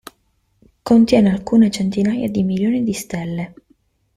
Contiene alcune centinaia di milioni di stelle.